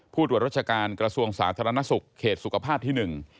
ผู้ตรวจรัชการกระทรวงสาธารณสุขเขตสุขภาพที่๑